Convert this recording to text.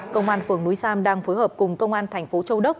công an phường núi sam đang phối hợp cùng công an tp châu đốc